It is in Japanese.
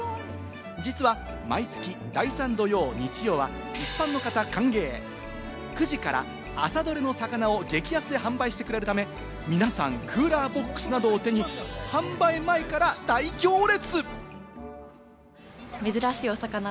実は毎月第３土曜・日曜は一般の方歓迎、９時から朝どれの魚を激安で販売してくれるため、皆さんクーラーボックスなどを手に販売前から大行列！